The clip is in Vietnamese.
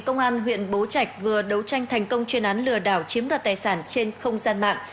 công an huyện bố trạch vừa đấu tranh thành công chuyên án lừa đảo chiếm đoạt tài sản trên không gian mạng